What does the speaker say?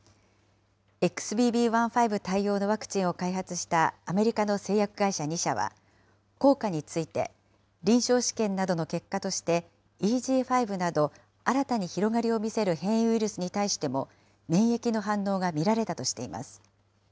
ＸＢＢ．１．５対応のワクチンを開発したアメリカの製薬会社２社は、効果について、臨床試験などの結果として、ＥＧ．５など新たに広がりを見せる変異ウイルスに対しても、免疫の反応が見られたとしています。